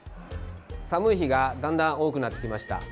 寒い日がだんだん多くなってきました。